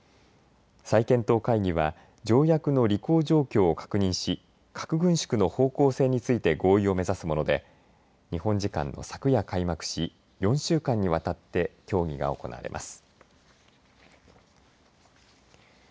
再検討会議は条約の履行状況を確認し核軍縮の方向性について合意を目指すもので日本時間、昨夜、開幕し４週間にわたって協議が行われます。